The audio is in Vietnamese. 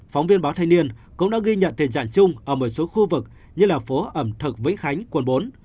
phóng viên báo thanh niên cũng đã ghi nhận tình trạng chung ở một số khu vực như là phố ẩm thực vĩnh khánh quận bốn